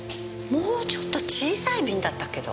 もうちょっと小さい瓶だったけど。